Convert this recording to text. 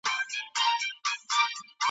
په عمر کشر، په عقل مشر